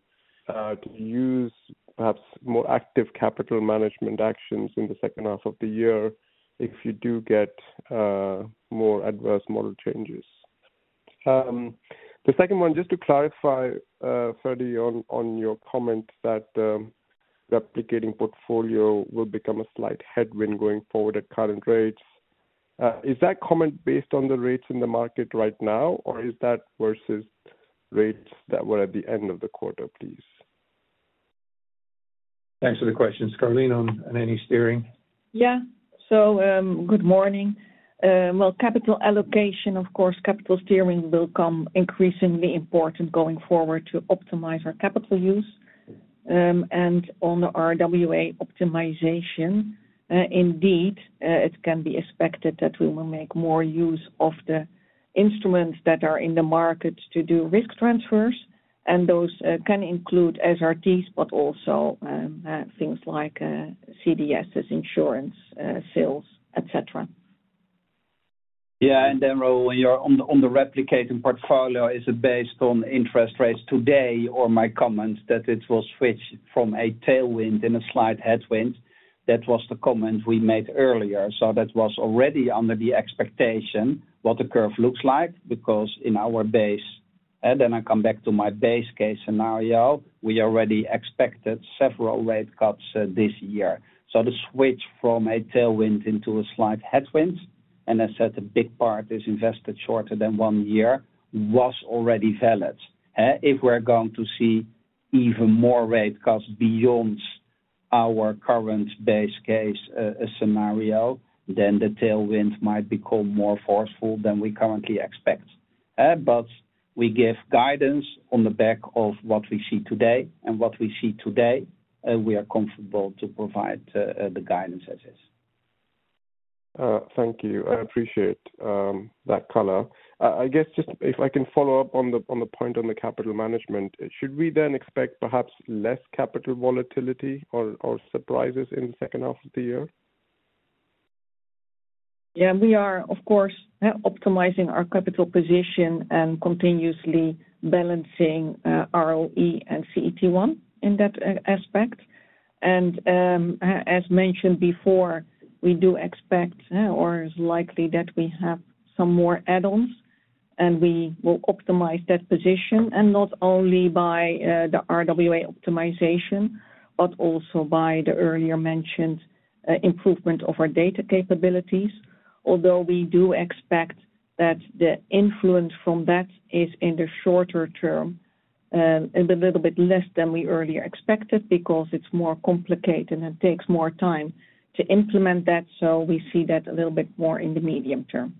Speaker 13: to use perhaps more active capital management actions in the second half of the year if you do get more adverse model changes. The second one, just to clarify, Freddy, on your comment that the replicating portfolio will become a slight headwind going forward at current rates. Is that comment based on the rates in the market right now, or is that versus rates that were at the end of the quarter, please?
Speaker 2: Thanks for the question. Caroline, on any steering?
Speaker 6: Yeah. So, good morning. Well, capital allocation, of course, capital steering will come increasingly important going forward to optimize our capital use. And on the RWA optimization, indeed, it can be expected that we will make more use of the instruments that are in the market to do risk transfers, and those can include SRTs, but also things like CDS, insurance sales, et cetera.
Speaker 4: Yeah, and then, Raul, when you're on the replicating portfolio, is it based on interest rates today, or my comments that it will switch from a tailwind and a slight headwind? That was the comment we made earlier, so that was already under the expectation what the curve looks like, because in our base, and then I come back to my base case scenario, we already expected several rate cuts this year. So the switch from a tailwind into a slight headwind, and I said the big part is invested shorter than one year, was already valid. If we're going to see even more rate cuts beyond our current base case scenario, then the tailwind might become more forceful than we currently expect. But we give guidance on the back of what we see today, and what we see today, we are comfortable to provide the guidance as is.
Speaker 13: Thank you. I appreciate that color. I guess, just if I can follow up on the point on the capital management, should we then expect perhaps less capital volatility or surprises in the second half of the year?
Speaker 6: Yeah, we are, of course, optimizing our capital position and continuously balancing ROE and CET1 in that aspect. As mentioned before, we do expect, or it's likely that we have some more add-ons, and we will optimize that position, and not only by the RWA optimization, but also by the earlier mentioned improvement of our data capabilities. Although we do expect that the influence from that is in the shorter term, and a little bit less than we earlier expected, because it's more complicated and it takes more time to implement that, so we see that a little bit more in the medium term.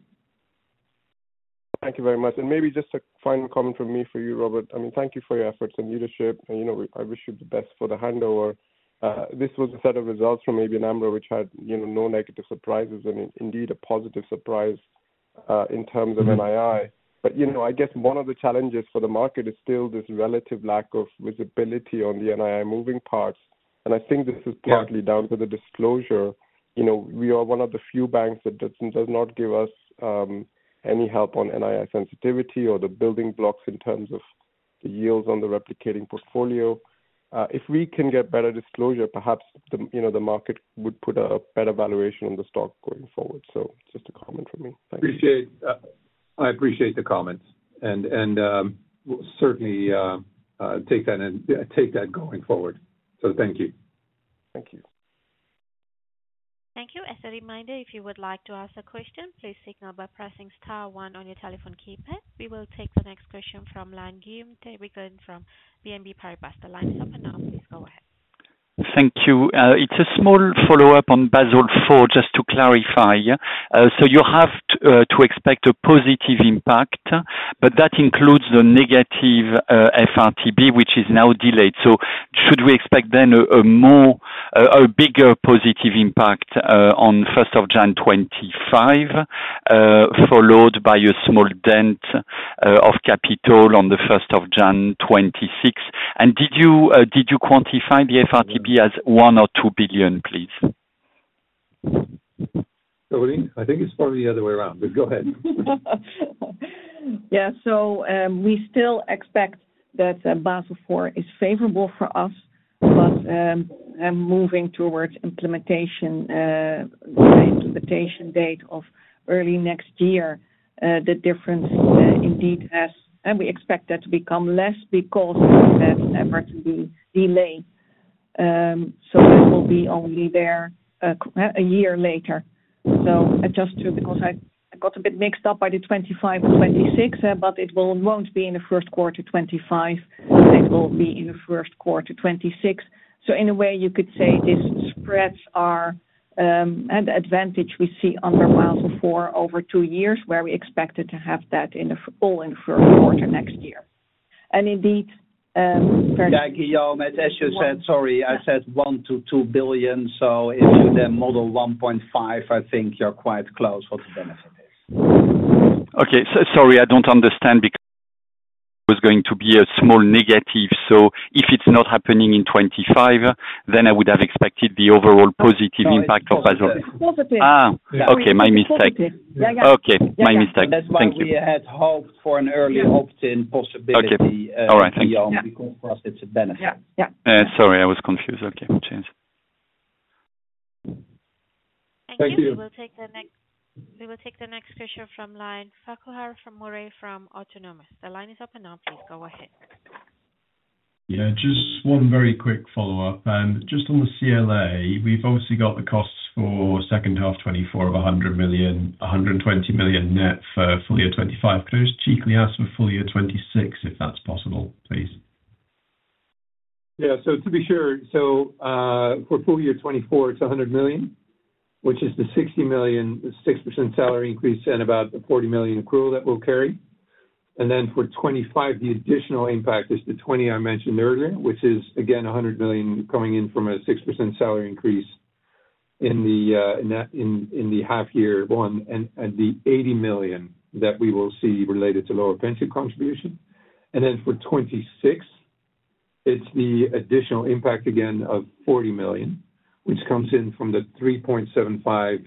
Speaker 13: Thank you very much. Maybe just a final comment from me for you, Robert. I mean, thank you for your efforts and leadership, and, you know, we, I wish you the best for the handover. This was a set of results from ABN AMRO, which had, you know, no negative surprises and indeed, a positive surprise in terms of NII. But, you know, I guess one of the challenges for the market is still this relative lack of visibility on the NII moving parts. And I think this is-
Speaker 2: Yeah... partly down to the disclosure. You know, we are one of the few banks that does not give us any help on NII sensitivity or the building blocks in terms of the yields on the replicating portfolio. If we can get better disclosure, perhaps the, you know, the market would put a better valuation on the stock going forward. So just a comment from me. Thank you. I appreciate the comments, and we'll certainly take that going forward. So thank you.
Speaker 13: Thank you.
Speaker 1: Thank you. As a reminder, if you would like to ask a question, please signal by pressing star one on your telephone keypad. We will take the next question from Guillaume Tiberghien from BNP Paribas. The line is open now. Please, go ahead.
Speaker 7: Thank you. It's a small follow-up on Basel IV, just to clarify. So you have to expect a positive impact, but that includes the negative FRTB, which is now delayed. So should we expect then a bigger positive impact on first of January 2025, followed by a small dent of capital on the first of January 2026? And did you quantify the FRTB as 1 billion or 2 billion, please? Caroline, I think it's probably the other way around, but go ahead.
Speaker 6: Yeah. So, we still expect that, Basel IV is favorable for us, but, moving towards implementation, the implementation date of early next year, the difference, indeed, has... And we expect that to become less because of that FRTB will be delayed. So it will be only there, a year later. So just too, because I, I got a bit mixed up by the 2025 to 2026, but it will won't be in the first quarter 2025, it will be in the first quarter 2026. So in a way, you could say this spreads our, and advantage we see under Basel IV over two years, where we expected to have that all in first quarter next year. And indeed, very-
Speaker 4: Yeah, Guillaume, as you said, sorry, I said 1 billion-2 billion, so into the model 1.5 billion, I think you're quite close for the benefit.
Speaker 7: Okay. Sorry, I don't understand because... was going to be a small negative, so if it's not happening in 2025, then I would have expected the overall positive impact of Basel.
Speaker 6: It's positive.
Speaker 7: Ah, okay, my mistake.
Speaker 6: Yeah, yeah.
Speaker 7: Okay, my mistake.
Speaker 4: That's why we had hoped for an earlier opt-in possibility.
Speaker 7: Okay. All right. Thank you.
Speaker 4: Because for us, it's a benefit.
Speaker 6: Yeah. Yeah.
Speaker 7: Sorry, I was confused. Okay, cheers.
Speaker 1: Thank you. We will take the next question from the line, Farquhar Murray from Autonomous. The line is open now, please go ahead.
Speaker 3: Yeah, just one very quick follow-up. Just on the CLA, we've obviously got the costs for second half 2024 of 100 million, 120 million net for full year 2025. Could I just briefly ask for full year 2026, if that's possible, please?
Speaker 2: Yeah. So to be sure, so, for full year 2024, it's 100 million, which is the 60 million, the 6% salary increase, and about the 40 million accrual that we'll carry. And then for 2025, the additional impact is the 20 I mentioned earlier, which is again, a 100 million coming in from a 6% salary increase in the, net, in, in the half year one, and, and the 80 million that we will see related to lower pension contribution. And then for 2026, it's the additional impact again, of 40 million, which comes in from the 3.75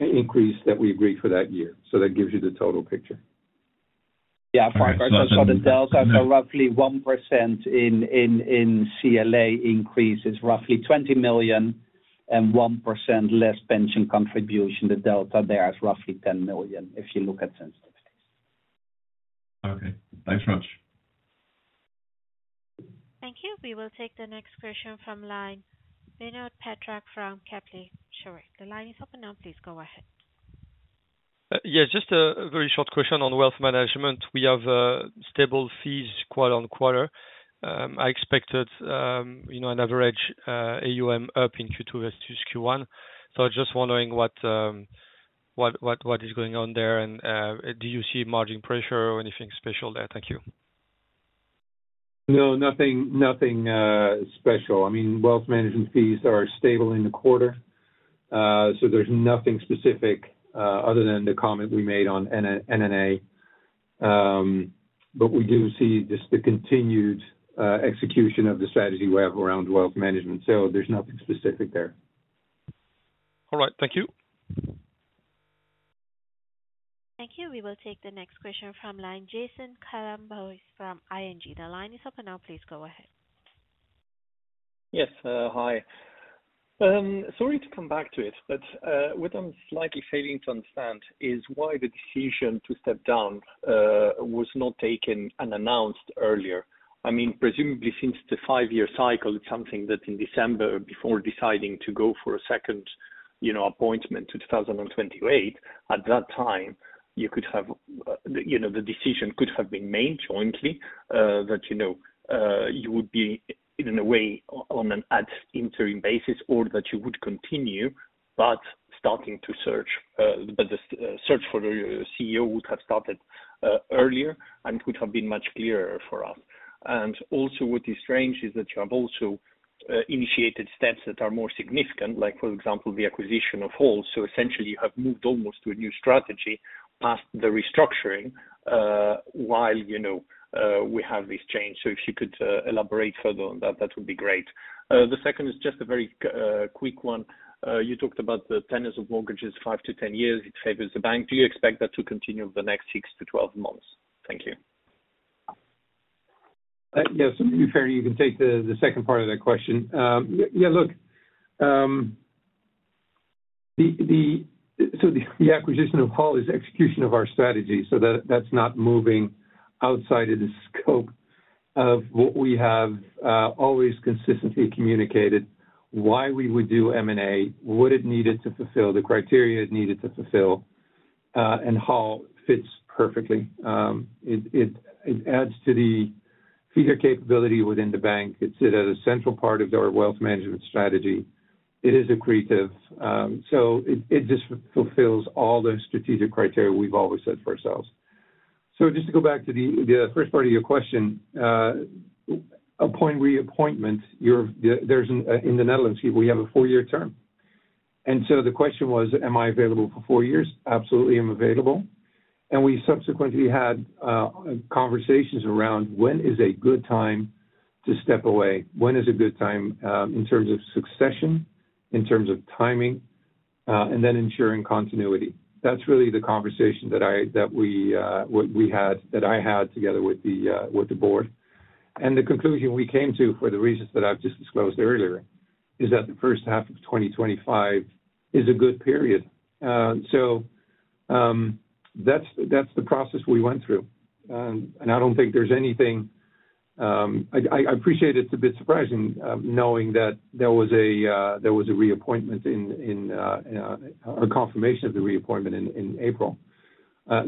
Speaker 2: increase that we agreed for that year. So that gives you the total picture.
Speaker 4: Yeah.
Speaker 3: All right.
Speaker 4: So the delta, so roughly 1% in CLA increase is roughly 20 million and 1% less pension contribution. The delta there is roughly 10 million, if you look at sensitivities.
Speaker 3: Okay, thanks much.
Speaker 1: Thank you. We will take the next question from line, Benoit Petrarque from Kepler Cheuvreux. The line is open now, please go ahead.
Speaker 8: Yeah, just a very short question on wealth management. We have stable fees quarter on quarter. I expected, you know, an average AUM up in Q2 as to Q1. So just wondering what is going on there? And, do you see margin pressure or anything special there? Thank you.
Speaker 2: No, nothing, nothing special. I mean, wealth management fees are stable in the quarter. So there's nothing specific, other than the comment we made on NNA. But we do see just the continued execution of the strategy we have around wealth management. So there's nothing specific there.
Speaker 8: All right. Thank you.
Speaker 1: Thank you. We will take the next question from line, Jason Kalamboussis from ING. The line is open now, please go ahead.
Speaker 14: Yes, hi. Sorry to come back to it, but what I'm slightly failing to understand is why the decision to step down was not taken and announced earlier. I mean, presumably since the five-year cycle, it's something that in December, before deciding to go for a second, you know, appointment to 2028, at that time, you could have, you know, the decision could have been made jointly, that, you know, you would be in a way on an ad interim basis, or that you would continue, but starting to search. But the search for a CEO would have started earlier and would have been much clearer for us. And also, what is strange is that you have also initiated steps that are more significant, like, for example, the acquisition of Hauck. So essentially you have moved almost to a new strategy past the restructuring, while, you know, we have this change. So if you could elaborate further on that, that would be great. The second is just a very quick one. You talked about the tenures of mortgages, five to 10 years. It favors the bank. Do you expect that to continue over the next six to 12 months? Thank you.
Speaker 2: Yes, to be fair, you can take the second part of that question. Yeah, look, the acquisition of Hauck is execution of our strategy. So that's not moving outside of the scope of what we have always consistently communicated, why we would do M&A, what it needed to fulfill, the criteria it needed to fulfill, and Hauck fits perfectly. It adds to the feature capability within the bank. It's at a central part of our wealth management strategy. It is accretive, so it just fulfills all the strategic criteria we've always set for ourselves. So just to go back to the first part of your question, appoint, reappointment, you're, there's an... in the Netherlands, we have a four-year term. And so the question was, am I available for four years? Absolutely, I'm available. And we subsequently had conversations around when is a good time to step away, when is a good time, in terms of succession, in terms of timing, and then ensuring continuity. That's really the conversation that we had together with the board. And the conclusion we came to, for the reasons that I've just disclosed earlier, is that the first half of 2025 is a good period. So, that's the process we went through. And I don't think there's anything... I appreciate it's a bit surprising, knowing that there was a reappointment in, or confirmation of the reappointment in April.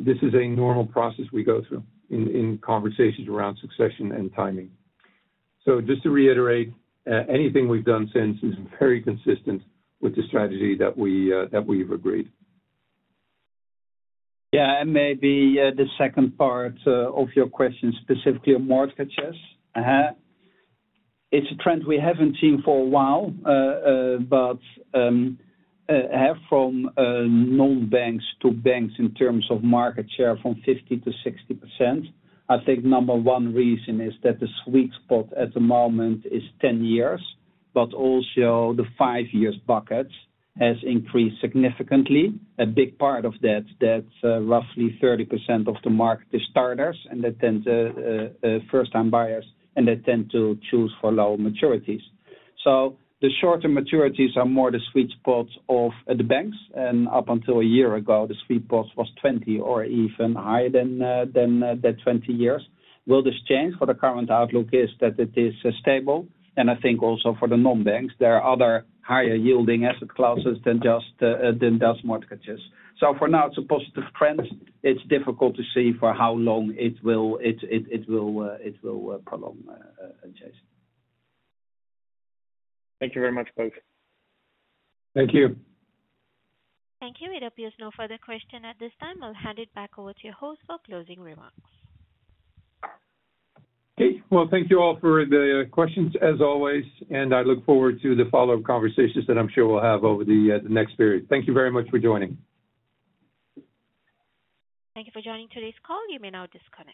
Speaker 2: This is a normal process we go through in conversations around succession and timing. Just to reiterate, anything we've done since is very consistent with the strategy that we've agreed.
Speaker 4: Yeah, and maybe the second part of your question, specifically on mortgages. It's a trend we haven't seen for a while, but from non-banks to banks in terms of market share from 50%-60%, I think number one reason is that the sweet spot at the moment is 10 years, but also the five years buckets has increased significantly. A big part of that, that's roughly 30% of the market is starters, and that tends to first-time buyers, and they tend to choose for lower maturities. So the shorter maturities are more the sweet spots of the banks, and up until a year ago, the sweet spot was 20 or even higher than the 20 years. Will this change? For the current outlook is that it is stable, and I think also for the non-banks, there are other higher-yielding asset classes than just mortgages. So for now, it's a positive trend. It's difficult to see for how long it will prolong, Jason.
Speaker 14: Thank you very much, both.
Speaker 2: Thank you.
Speaker 1: Thank you. It appears no further question at this time. I'll hand it back over to your host for closing remarks.
Speaker 2: Okay. Well, thank you all for the questions as always, and I look forward to the follow-up conversations that I'm sure we'll have over the next period. Thank you very much for joining.
Speaker 1: Thank you for joining today's call. You may now disconnect.